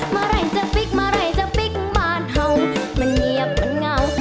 เมื่อไหร่จะปิ๊กเมื่อไหร่จะปิ๊กบานเทามันเงียบมันเงา